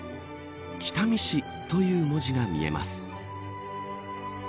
北見市という文字が見えます。